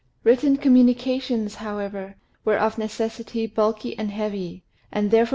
Written communications, however, were of necessity, bulky and heavy, and therefore M.